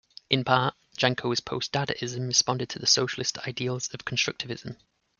In part, Janco's post-Dadaism responded to the socialist ideals of Constructivism.